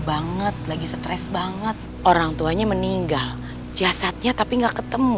banget lagi stress banget orangtuanya meninggal jasadnya tapi nggak ketemu